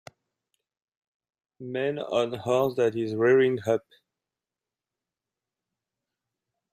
Man on horse that is rearing up